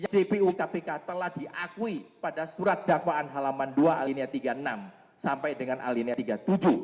jpu kpk telah diakui pada surat dakwaan halaman dua alinia tiga puluh enam sampai dengan alinia tiga puluh tujuh